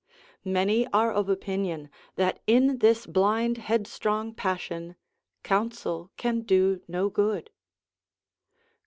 Many are of opinion, that in this blind headstrong passion counsel can do no good.